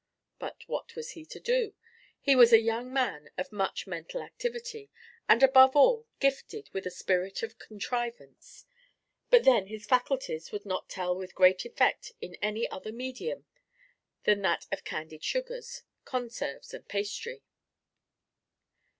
But what was he to do? He was a young man of much mental activity, and, above all, gifted with a spirit of contrivance; but then, his faculties would not tell with great effect in any other medium than that of candied sugars, conserves, and pastry.